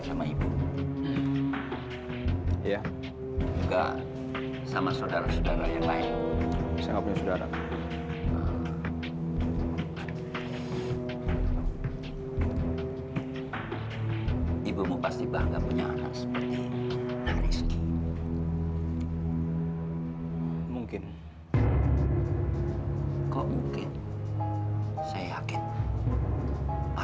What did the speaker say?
sampai jumpa di video selanjutnya